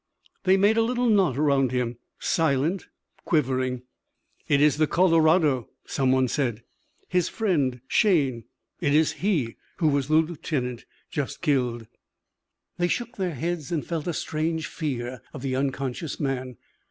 They made a little knot around him, silent, quivering. "It is the Colorado," someone said. "His friend, Shayne it is he who was the lieutenant just killed." They shook their heads and felt a strange fear of the unconscious man.